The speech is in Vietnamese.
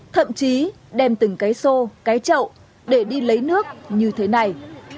thậm chí đem từng cái xô cái chậu để đi lấy nước như thế này